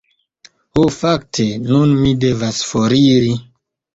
"Ho fakte, nun mi devas foriri."